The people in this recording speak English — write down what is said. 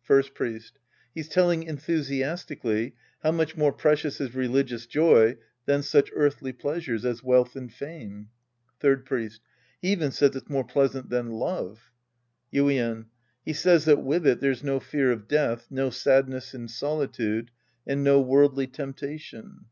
First Priest. He's telling enthusiastically how much more precious is religious joy than such earthly pleasures as wealth and fame. Third Priest. He even says it's more pleasant than love. Yuien. He says that with it there's no fear of death, no sadness in solitude, and no worldly temp tation.